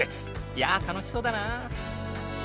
いやあ楽しそうだな！